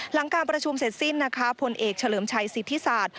หลังการประชุมเสร็จสิ้นนะคะผลเอกเฉลิมชัยสิทธิศาสตร์